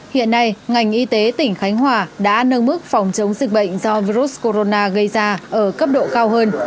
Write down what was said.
hiện nay ngành y tế tỉnh khánh hòa đã nâng mức phòng chống dịch bệnh do virus corona gây ra ở cấp độ cao hơn